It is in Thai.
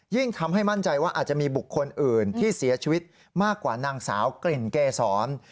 ทำให้มั่นใจว่าอาจจะมีบุคคลอื่นที่เสียชีวิตมากกว่านางสาวกลิ่นเกษร